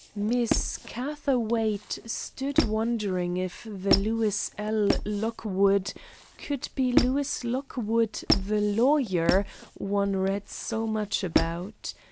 Miss Catherwaight stood wondering if the Lewis L. Lockwood could be Lewis Lockwood, the lawyer one read so much about.